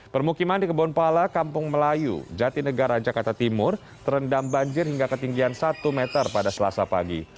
permukiman di kebonpala kampung melayu jatinegara jakarta timur terendam banjir hingga ketinggian satu meter pada selasa pagi